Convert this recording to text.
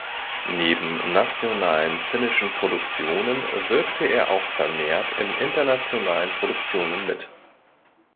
Neben nationalen finnischen Produktionen wirkte er auch vermehrt in internationalen Produktionen mit.